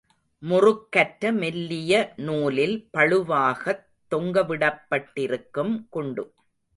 முறுக்கற்ற மெல்லிய நூலில் பளுவாகத் தொங்கவிடப் பட்டிருக்கும் குண்டு.